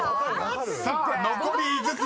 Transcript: ［さあ残り５つ。